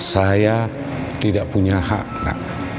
saya tidak punya hak pak